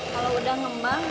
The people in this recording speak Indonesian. kalau udah ngembang